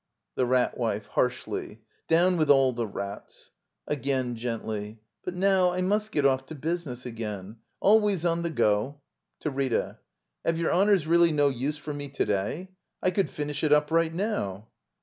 .^ The Rat Wife. [Harshly.] Down with all the rats! [Again gently.] But now I must get off to business again. Alwajrs on the go. [To Rita.] Have your honors really no use for me to day? I could finish it up right now.